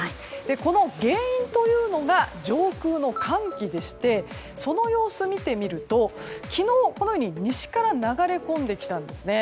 この原因というのが上空の寒気でしてその様子を見てみると昨日、このように西から流れ込んできたんですね。